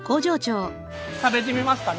食べてみますかね？